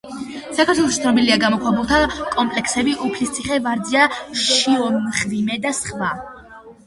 საქართველოში ცნობილია გამოქვაბულთა კომპლექსები უფლისციხე, ვარძია, შიომღვიმე და სხვა.